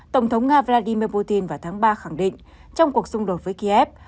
tổng thống nga vladimir putin vào tháng ba khẳng định trong cuộc xung đột với kiev